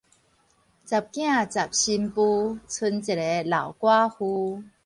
十囝十新婦，賰一个老寡婦